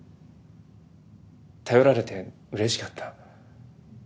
頼られてうれしかった。